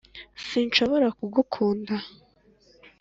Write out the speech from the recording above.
sinshobora kugukunda.